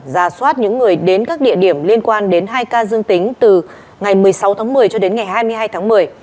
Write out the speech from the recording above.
ra soát những người đến các địa điểm liên quan đến hai ca dương tính từ ngày một mươi sáu tháng một mươi cho đến ngày hai mươi hai tháng một mươi